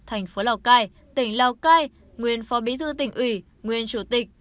thành phố lào cai tỉnh lào cai nguyên phó bí thư tỉnh ủy nguyên chủ tịch